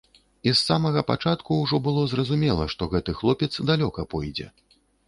І з самага пачатку ўжо было зразумела, што гэты хлопец далёка пойдзе.